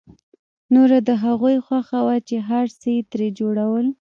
نوره د هغوی خوښه وه چې هر څه يې ترې جوړول.